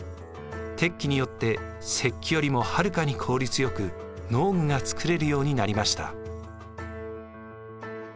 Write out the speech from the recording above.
鉄器によって石器よりもはるかに効率よく農具が作れるようになりました。